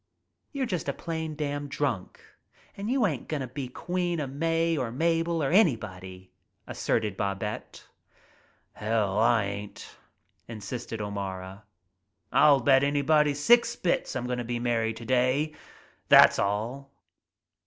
"You're just a plain damn drunk an' you ain't gonna be queen o' May or Mabel or an asserted Babette. \ "Hell I ain't," insisted O'Mara. "I'll bet an'body six bits I'm goin' t' be married today. Thass all."